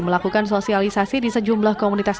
melakukan sosialisasi di sejumlah komunitas